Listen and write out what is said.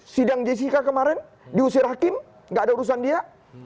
sidang jessica kemarin diusir hakim gak ada urusan dia